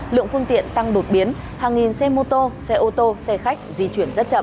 lượng phương tiện tăng đột biến hàng nghìn xe mô tô xe ô tô xe khách di chuyển rất chậm